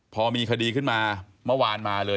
พอมีคดีขึ้นมาเมื่อวานมาเลย